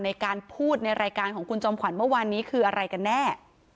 ในการพูดในรายการของคุณจอมขวัญเมื่อวานนี้คืออะไรกันแน่